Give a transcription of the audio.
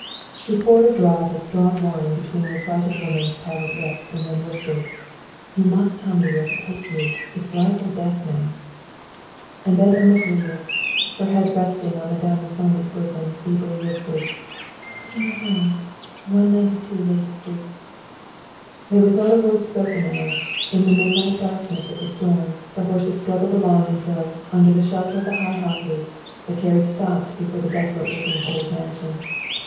He poured a draught of strong wine between the affrighted woman's pallid lips, and then whispered, "You must tell me where to take you. It is life or death now." And then Irma Gluyas, her head resting on Madame Raffoni's bosom, feebly whispered, "To my home, 192 Layte Street." There was not a word spoken as, in the midnight darkness of the storm, the horses struggled along until, under the shelter of the high houses, the carriage stopped before the desolate looking old mansion.